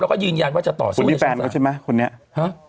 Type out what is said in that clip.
แล้วก็ยืนยันว่าจะต่อสู้ในชั้นศาลคุณมีแฟนเขาใช่ไหมคนนี้ฮะ